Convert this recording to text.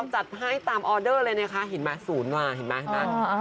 เราจัดให้ตามออเดอร์เลยนะคะเห็นไหมศูนย์มาเห็นไหม